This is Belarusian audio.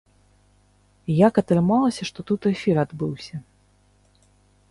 Як атрымалася, што тут эфір адбыўся?